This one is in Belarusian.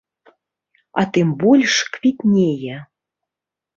А тым больш, квітнее.